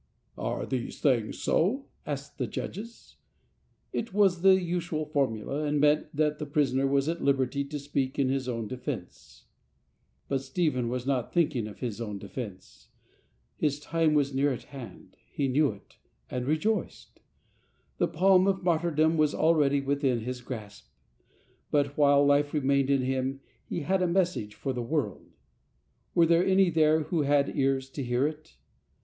" Are these things so ?" asked the judges. It was the usual formula, and meant that the prisoner was at liberty to speak in his own defence. But Stephen was not thinking of his own defence. His time was near at hand; he knew it, and rejoiced. The palm of martyrdom was already w'ithin his grasp; but while life remained to him he had a message for the ■world. Were there any there who had ears to hear it